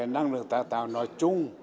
năng lượng tài tạo nói chung